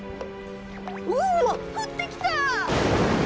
うわっふってきた！